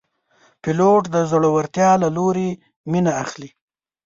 پیلوټ د زړورتیا له لورې مینه اخلي.